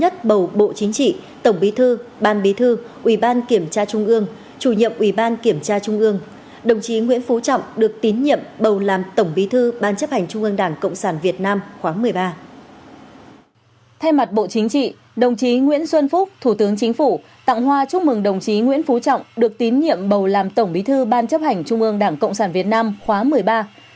tổng bí thư nguyễn phú trọng được tín nhiệm bầu làm tổng bí thư ban chấp hành trung ương đảng cộng sản việt nam khóa một mươi ba